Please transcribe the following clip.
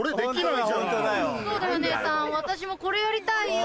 そうだよ姉さん私もこれやりたいよ。